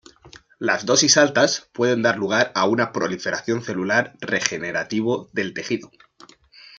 Las dosis altas pueden dar lugar a una proliferación celular regenerativo del tejido.